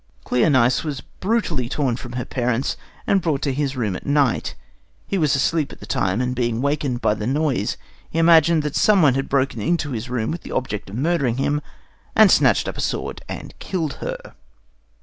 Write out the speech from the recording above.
Cleonice was brutally torn from her parents and brought to his room at night. He was asleep at the time, and being awakened by the noise, he imagined that someone had broken into his room with the object of murdering him, and snatched up a sword and killed her.